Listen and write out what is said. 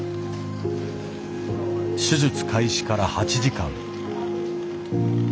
手術開始から８時間。